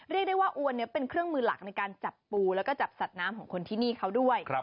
เรียกได้ว่าอวนนี้เป็นเครื่องมือหลักในการจับปูแล้วก็จับสัตว์น้ำของคนที่นี่เขาด้วย